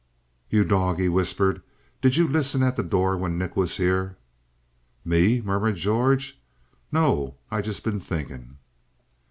"You dog," he whispered. "Did you listen at the door when Nick was here?" "Me?" murmured George. "No, I just been thinking."